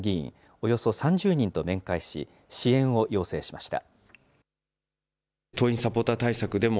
およそ３０人と面会し、支援を要請しました。